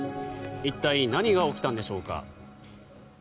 一体、何が起きたんでしょうか。